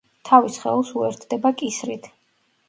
თავი სხეულს უერთდება კისრით.